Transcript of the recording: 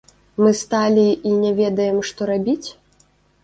Мы сталі і не ведаем, што рабіць?